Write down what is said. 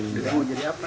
jadi mau jadi apa